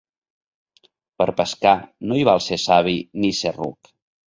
Per pescar, no hi val ser savi ni ser ruc.